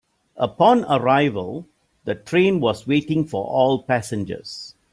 Upon arrival, the train was waiting for all passengers.